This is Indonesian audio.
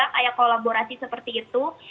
kayak kolaborasi seperti itu